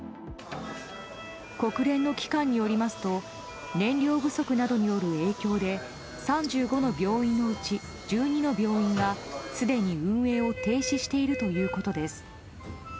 国連の機関によりますと燃料不足などによる影響で３５の病院のうち１２の病院がすでに運営を停止しているということです。